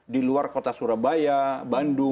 di luar kota surabaya bandung